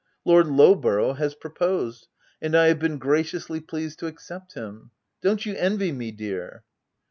" Lord Lowborough has proposed, and I have been graciously pleased to accept him. Don't you envy me, dear